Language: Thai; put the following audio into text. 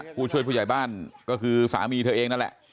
ผู้ช่วยผู้ใหญ่บ้านก็คือสามีเธอเองนั่นแหละ